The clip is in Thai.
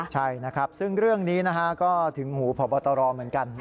ใช่นะครับซึ่งเรื่องนี้นะฮะก็ถึงหูพบตรเหมือนกัน